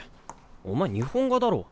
お前日本画だろ？